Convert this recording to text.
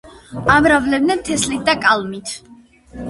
ამრავლებენ თესლით და კალმით.